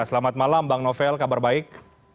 selamat malam bang novel kabar baik